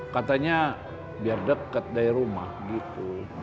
katanya biar dekat dari rumah gitu